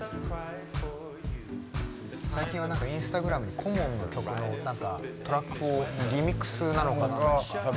最近はインスタグラムにコモンの曲のトラックをリミックスなのか何なのか。